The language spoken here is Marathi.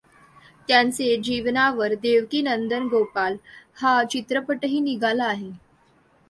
त्यांचे जीवनावर देवकीनंदन गोपाला हा चित्रपटही निघाला आहे.